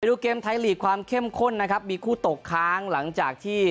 ดูเกมไทยลีกความเข้มข้นนะครับมีคู่ตกค้างหลังจากที่